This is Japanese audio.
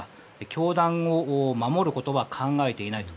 教団を守ることは考えていないと。